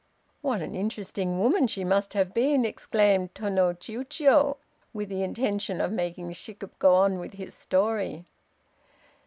"What an interesting woman she must have been," exclaimed Tô no Chiûjiô, with the intention of making Shikib go on with his story.